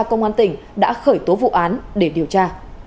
công an tỉnh đã khởi tố vụ án để điều tra